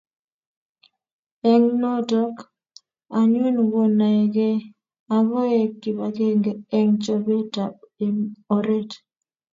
eng' notok anyun ko naegei akoek kibagenge eng' chobet ab oret